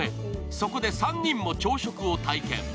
そこで３人も朝食を体験。